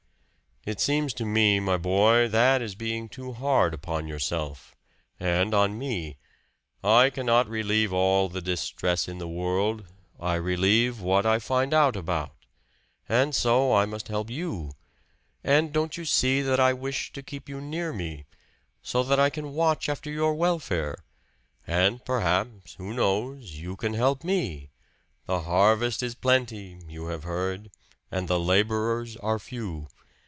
"It seems to me, my boy, that is being too hard upon yourself and on me. I cannot relieve all the distress in the world. I relieve what I find out about. And so I must help you. And don't you see that I wish to keep you near me, so that I can watch after your welfare? And perhaps who knows you can help me. The harvest is plenty, you have heard, and the laborers are few.